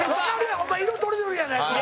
お前、色とりどりやないか。